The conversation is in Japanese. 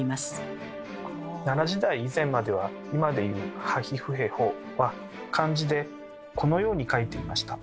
奈良時代以前までは今でいう「はひふへほ」は漢字でこのように書いていました。